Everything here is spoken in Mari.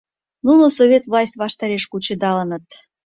Нуно совет власть ваштареш кучедалыныт.